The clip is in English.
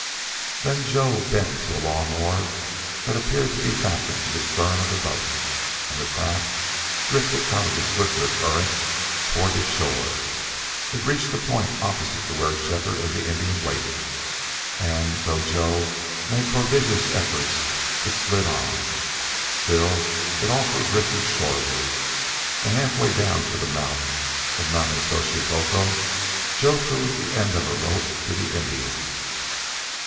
Then Joe bent to a long oar that appeared to be fastened to the stern of the boat, and the craft drifted out of the swifter current toward the shore. It reached a point opposite to where Shefford and the Indian waited, and, though Joe made prodigious efforts, it slid on. Still, it also drifted shoreward, and half way down to the mouth of Nonnezoshe Boco Joe threw the end of a rope to the Indian.